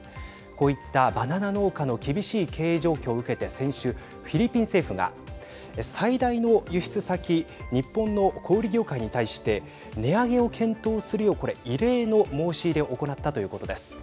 こういったバナナ農家の厳しい経営状況を受けて先週フィリピン政府が最大の輸出先日本の小売り業界に対して値上げを検討するようこれ、異例の申し入れを行ったということです。